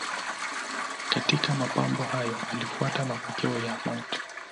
Katika mapambano hayo alifuata mapokeo ya Mt.